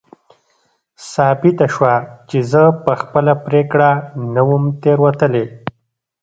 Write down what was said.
ثابته شوه چې زه په خپله پرېکړه نه وم تېروتلی.